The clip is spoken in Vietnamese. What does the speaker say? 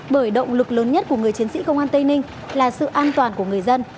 bởi động lực lớn nhất của người chiến sĩ công an tây ninh là sự an toàn của người dân